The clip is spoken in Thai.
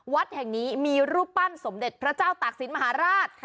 วัดแห่งนี้มีรูปปั้นสมเด็จพระเจ้าตากศิลปมหาราช